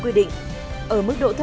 trên một lít khí thở